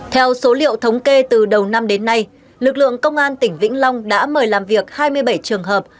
theo số liệu thống kê từ đầu năm đến nay lực lượng công an tỉnh vĩnh long đã mời làm việc hai mươi bảy trường hợp